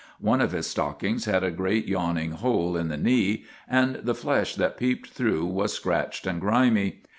One of his stockings had a great yawn ing hole in the knee, and the flesh that peeped through was scratched and grimy.